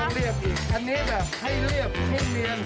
เรียบอีกอันนี้แบบให้เรียบให้เนียน